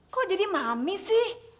kok jadi mami sih